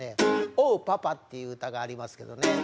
「オー・パパ」っていう歌がありますけどね。